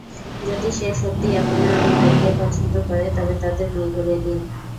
যদি সে সত্যিই আপনার ভাইকে পছন্দ করে তবে তাদের বিয়ে করিয়ে দিন।